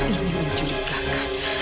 ini menculik kakak